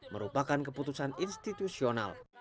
merupakan keputusan institusional